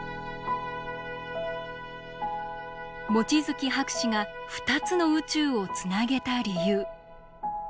望月博士が２つの宇宙をつなげた理由。